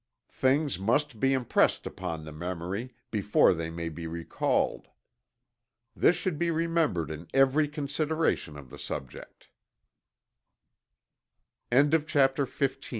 Things must be impressed upon the memory, before they may be recalled. This should be remembered in every consideration of the subje